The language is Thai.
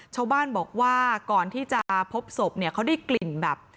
ชาวบ้านบอกว่าก่อนที่จะพบศพเนี่ยเขาได้กลิ่นแบบ